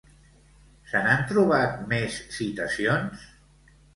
Se n'han trobat més citacions?